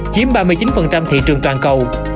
chiếm ba mươi chín thị trường toàn cầu